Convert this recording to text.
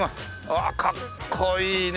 わあかっこいいね。